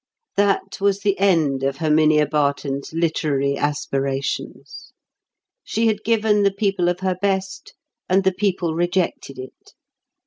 That was the end of Herminia Barton's literary aspirations. She had given the people of her best, and the people rejected it.